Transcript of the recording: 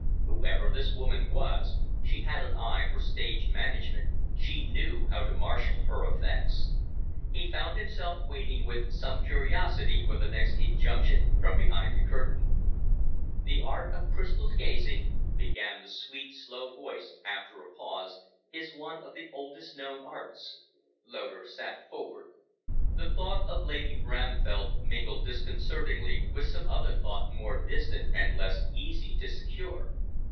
Whoever this woman was, she had an eye for stage management, she knew how to marshal her effects. He found himself waiting with some curiosity for the next injunction from behind the curtain. "The art of crystal gazing," began the sweet, slow voice after a pause, "is one of the oldest known arts." Loder sat forward. The thought of Lady Bramfell mingled disconcertingly with some other thought more distant and less easy to secure.